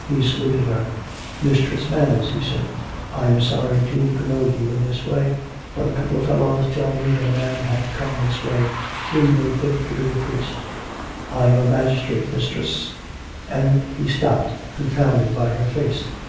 He saluted her. " Mistress Manners," he said, " I am sorry to incommode you in this way. But a couple of fellows tell me that a man hath come this way, whom they think to be a priest. I am a magistrate, mistress, and " He stopped, confounded by her face.